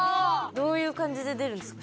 どういう感じで出るんですか？